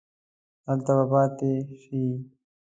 هلته به پاتې شې.